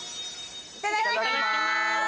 いただきます！